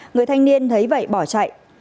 người thanh niên thấy vậy bỏ chạy